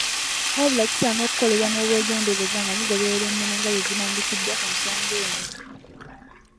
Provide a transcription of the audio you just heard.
Wabula kisaana okukolebwa n'obwegendereza nga mugoberera ennono nga bwezirambikiddwa ku nsonga eno.